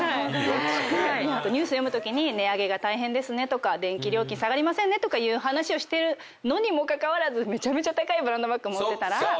あとニュース読むときに値上げが大変ですねとか電気料金下がりませんねとかいう話をしてるのにもかかわらずめちゃめちゃ高いブランドバッグ持ってたら。